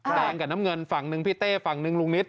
แดงกับน้ำเงินฝั่งนึงพี่เต้ฝั่งนึงลุงนิด